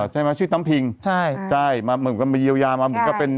ใช่ไหมชื่อตำพิงใช่ใช่มาเหมือนกับมาเยียวยามาเหมือนกับเป็น